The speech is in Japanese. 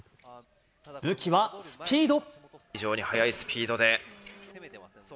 武器はスピード。